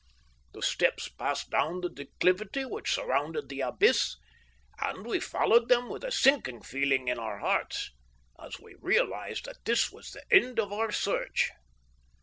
The steps passed down the declivity which surrounded the abyss, and we followed them with a sinking feeling in our hearts, as we realised that this was the end of our search.